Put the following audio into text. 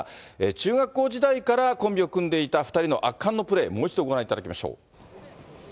中学校時代からコンビを組んでいた２人の圧巻のプレー、もう一度ご覧いただきましょう。